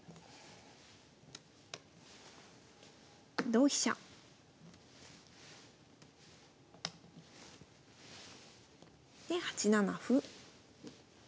同飛車。で８七歩。